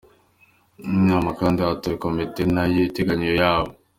Muri iyi nama kandi hatowe Komite nto y’agateganyo ya bo.